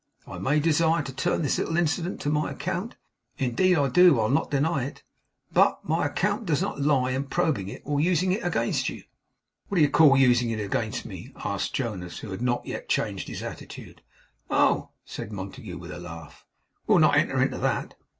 I may desire to turn this little incident to my account (indeed, I do I'll not deny it), but my account does not lie in probing it, or using it against you.' 'What do you call using it against me?' asked Jonas, who had not yet changed his attitude. 'Oh!' said Montague, with a laugh. 'We'll not enter into that.